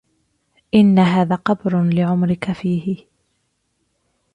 إن هذا قبر لعمرك فيه